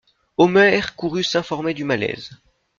Omer courut s'informer du malaise.